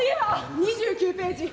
２９ページ。